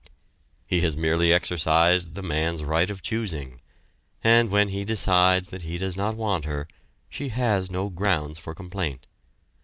He has merely exercised the man's right of choosing, and when he decides that he does not want her, she has no grounds for complaint.